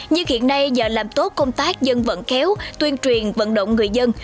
nhưng hiện nay do làm tốt công tác dân vận khéo tuyên truyền vận động người dân